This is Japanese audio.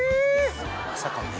まさか芽